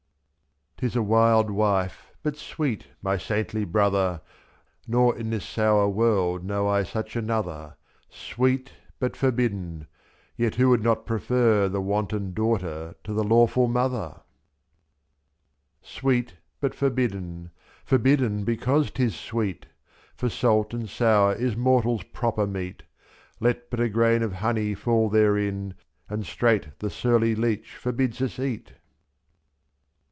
*Tis a wild wife, but sweet, my saintly brother. Nor in this sour world know I such another ; J J/. Sweet but forbidden — ^yet who would not prefer The wanton daughter to the lawful mother? 73 Sweet but forbidden — forbidden because 'tis sweet ! For salt and sour is mortal's proper meat, r/x. Let but a grain of honey fall therein. And straight the surly leech forbids us eat.